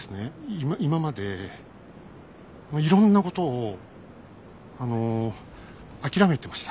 今今までいろんなことをあの諦めてました。